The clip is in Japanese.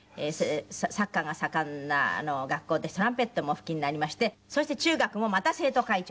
サッカーが盛んな学校でトランペットもお吹きになりましてそして中学もまた生徒会長。